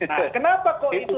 nah kenapa kok itu